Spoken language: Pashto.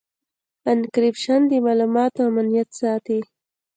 انکریپشن د معلوماتو امنیت ساتي.